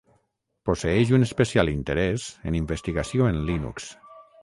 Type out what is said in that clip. Posseeix un especial interès en investigació en Linux.